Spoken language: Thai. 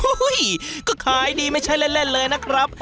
โอ้โหก็ขายดีไม่ใช่เล่นเลยนะครับ